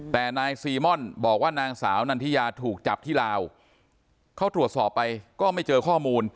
แต่นายซีม่อนบอกว่านางสาวนันทิยาถูกจับที่ลาวเขาตรวจสอบไปก็ไม่เจอข้อมูล